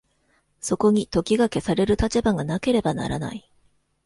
そこに時が消される立場がなければならない。